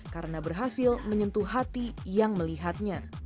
karena berhasil menyentuh hati yang melihatnya